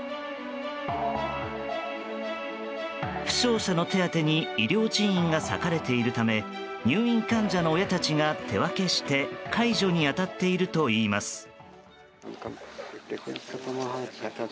負傷者の手当てに医療人員が割かれているため入院患者の親たちが手分けして介助に当たっているといいます。